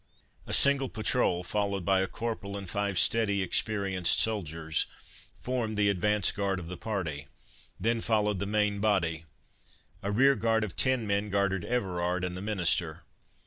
A single patrol, followed by a corporal and five steady, experienced soldiers, formed the advanced guard of the party; then followed the main body. A rear guard of ten men guarded Everard and the minister.